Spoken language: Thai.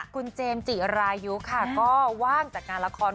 คุณเจมส์จิรายุค่ะก็ว่างจากงานละคร